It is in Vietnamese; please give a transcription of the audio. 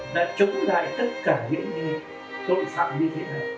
đã chống lại tất cả những tội phạm như thế nào